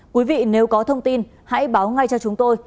quý vị nếu có thông tin hãy báo ngay cho chúng tôi